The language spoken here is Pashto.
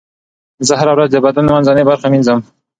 زه هره ورځ د بدن منځنۍ برخه مینځم.